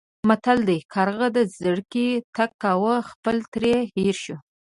متل دی: کارغه د زرکې تګ کاوه خپل ترې هېر شو.